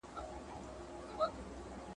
ټوټې ټوتې ښه یې ګرېوانه پر ما ښه لګیږي `